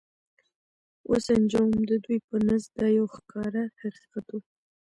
و سنجوم، د دوی په نزد دا یو ښکاره حقیقت و.